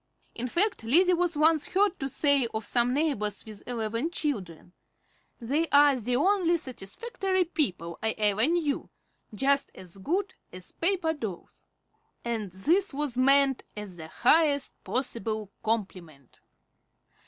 In fact, Lizzie was once heard to say of some neighbors with eleven children, "They are the only really satisfactory people I ever knew, just as good as paper dolls;" and this was meant as the highest possible compliment.